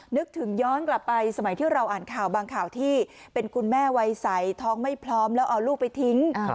นึกถึงย้อนกลับไปสมัยที่เราอ่านข่าวบางข่าวที่เป็นคุณแม่วัยใสท้องไม่พร้อมแล้วเอาลูกไปทิ้ง